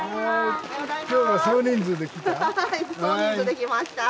今日は少人数で来た？